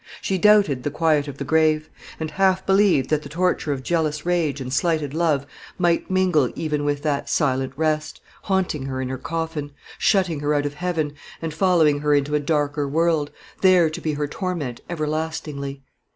She doubted the quiet of the grave; and half believed that the torture of jealous rage and slighted love might mingle even with that silent rest, haunting her in her coffin, shutting her out of heaven, and following her into a darker world, there to be her torment everlastingly.